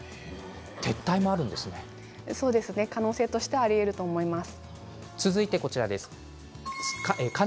撤退の可能性もありえると思います。